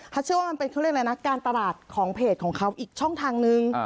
เขาเชื่อว่ามันเป็นการตลาดของเพจของเขาอีกช่องทางหนึ่ง